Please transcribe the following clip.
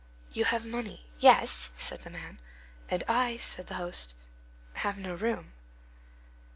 "You have money—" "Yes," said the man. "And I," said the host, "have no room."